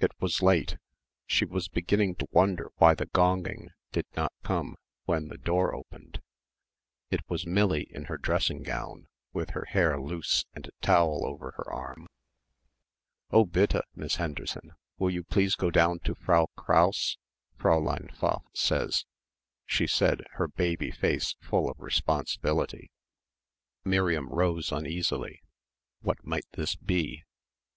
It was late. She was beginning to wonder why the gonging did not come when the door opened. It was Millie in her dressing gown, with her hair loose and a towel over her arm. "Oh, bitte, Miss Henderson, will you please go down to Frau Krause, Fräulein Pfaff says," she said, her baby face full of responsibility. Miriam rose uneasily. What might this be?